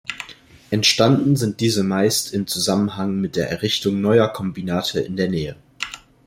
Entstanden sind diese meist im Zusammenhang mit der Errichtung neuer Kombinate in der Nähe.